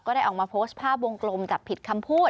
ได้ออกมาโพสต์ภาพวงกลมจับผิดคำพูด